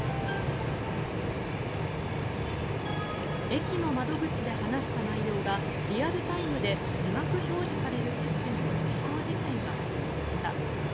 駅の窓口で話した内容がリアルタイムで字幕表示されるシステムの実証実験が始まりました。